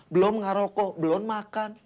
belom ngarokok belon makan